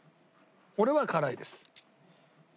俺は辛いです。